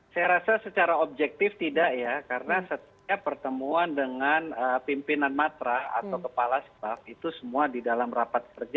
saya rasa secara objektif tidak ya karena setiap pertemuan dengan pimpinan matra atau kepala staff itu semua di dalam rapat kerja